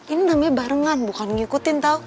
ini namanya barengan bukan ngikutin tau